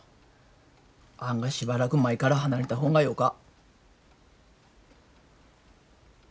あがしばらく舞から離れた方がよか。